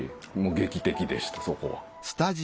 劇的でしたそこは。